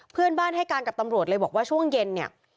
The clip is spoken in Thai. เพื่อนบ้านให้การกับตำรวจเลยบอกว่าช่วงเย็นเนี่ย